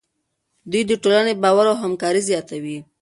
دوی د ټولنې باور او همکاري زیاتوي.